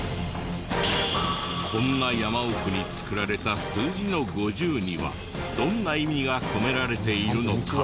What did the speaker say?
こんな山奥に作られた数字の５０にはどんな意味が込められているのか？